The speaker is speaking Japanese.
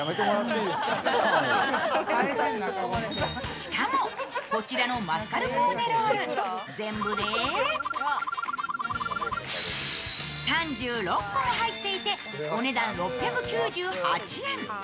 しかも、こちらのマスカルポーネロール、全部で３６個も入っていてお値段６９８円。